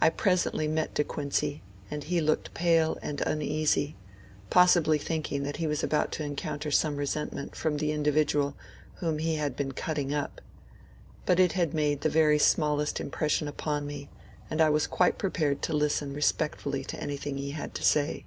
I presently met De Quincey, and he looked pale and uneasy, — possibly thinking that he was about to encoun ter some resentment from the individual whom he had been cutting up. But it had made the very smallest impression upon me, and I was quite prepared to listen respectfully to anything he had to say.